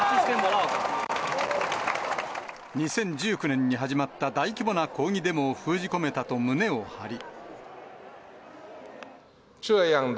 ２０１９年に始まった大規模な抗議デモを封じ込めたと胸を張り。